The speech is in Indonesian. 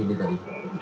tujuh tujuh ini tadi